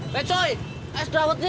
becoy ais dawetnya gimana